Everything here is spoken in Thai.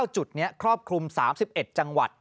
จุดนี้ครอบคลุม๓๑จังหวัด